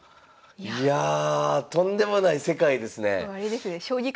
いやとんでもない世界ですね。